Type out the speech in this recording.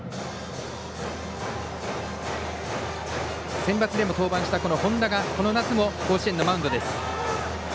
センバツでも登板した本田がこの夏も甲子園のマウンドです。